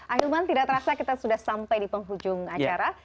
ahilman tidak terasa kita sudah sampai di penghujung acara